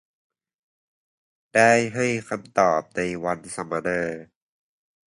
ได้ให้คำตอบในวันสัมมนา